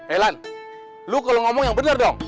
eh lam lu kalo ngomong yang bener dong